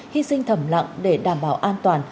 hy sinh thẩm lặng để đảm bảo an toàn